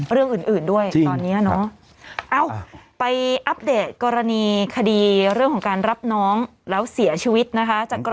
เรื่องอื่นด้วยตอนนี้เนอะเอ้าไปอัปเดตกรณีคดีเรื่องของการรับน้องแล้วเสียชีวิตนะคะ